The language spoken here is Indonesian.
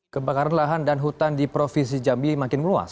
kebakaran lahan dan hutan di provinsi jambi makin meluas